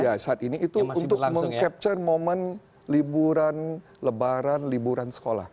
ya saat ini itu untuk meng capture momen liburan lebaran liburan sekolah